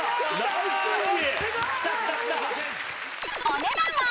［お値段は？］